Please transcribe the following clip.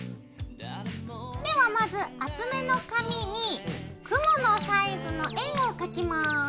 ではまず厚めの紙に雲のサイズの円を描きます。